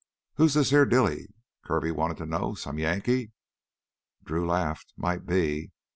"Who's this heah Dilly?" Kirby wanted to know. "Some Yankee?" Drew laughed. "Might be."